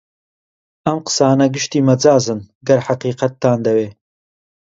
ئەم قسانە گشتی مەجازن گەر حەقیقەتتان دەوێ